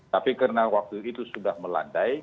tapi karena waktu itu sudah melandai